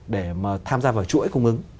để mà tham gia vào chuỗi cung ứng